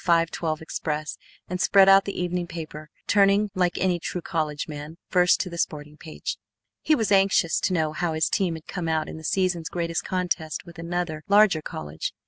12 express and spread out the evening paper, turning, like any true college man, first to the sporting page. He was anxious to know how his team had come out in the season's greatest contest with another larger college.